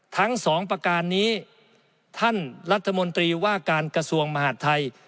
ทั้งสองประการนี้ท่านรัฐมนตรีว่าการกระทรวงมหาดไทย